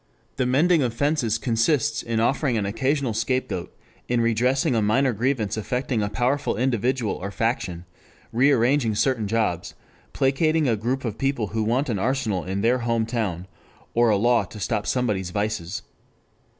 The mending of fences consists in offering an occasional scapegoat, in redressing a minor grievance affecting a powerful individual or faction, rearranging certain jobs, placating a group of people who want an arsenal in their home town, or a law to stop somebody's vices.